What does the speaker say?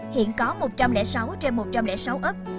hiện có một trăm linh sáu trên một trăm linh sáu ấp